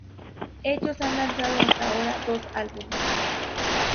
Ellos han lanzado hasta ahora dos álbumes.